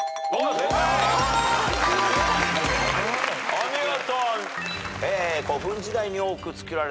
お見事！